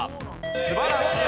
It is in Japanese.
素晴らしい。